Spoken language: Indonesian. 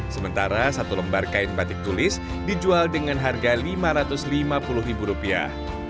sementara satu lembar kain batik tulis dijual dengan harga lima ratus lima puluh ribu rupiah